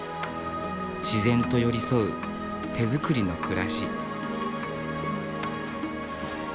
自然と寄り添う手づくりの暮らし。